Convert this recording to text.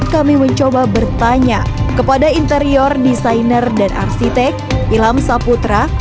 kami mencoba bertanya kepada interior desainer dan arsitek ilham saputra